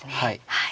はい。